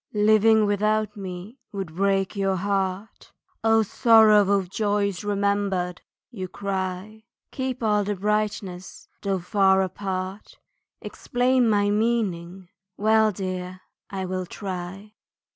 Living without me would break your heart, "O sorrow of joys remembered!" You cry, Keep all the brightness though far apart, Explain my meaning well dear, I will try.